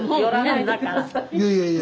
いやいやいや。